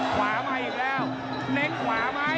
ขวามาอีกแล้วเล็งขวามั้ย